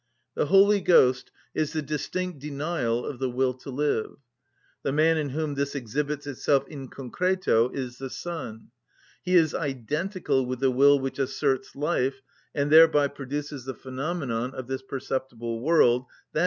The Holy Ghost is the distinct denial of the will to live: the man in whom this exhibits itself in concreto is the Son; He is identical with the will which asserts life, and thereby produces the phenomenon of this perceptible world, _i.